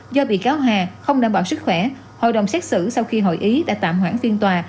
do bị cáo hà không đảm bảo sức khỏe hội đồng xét xử sau khi hội ý đã tạm hoãn phiên tòa